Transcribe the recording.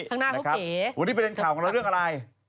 ข้างหน้ารถวันนี้ประเด็นข่าวของเราเรื่องอะไร